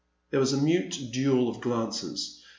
There was a mute duel of glances.